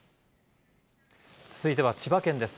続いては千葉県です。